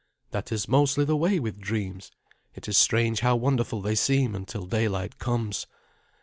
"That is mostly the way with dreams. It is strange how wonderful they seem until daylight comes.